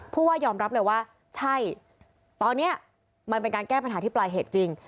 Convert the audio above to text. ผู้ว่ายอมรับเลยว่าใช่ตอนนี้มันเป็นการแก้ปัญหาที่ปลายเหตุจริง